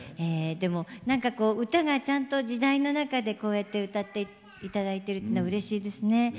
でも何かこう歌がちゃんと時代の中でこうやって歌って頂いてるってのうれしいですね。